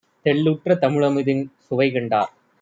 தெள்ளுற்ற தமிழமுதின் சுவைகண்டார்